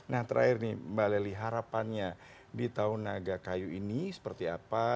nah terakhir nih mbak lely harapannya di tahun naga kayu ini seperti apa